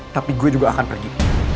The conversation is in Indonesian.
tapi gue juga akan pergi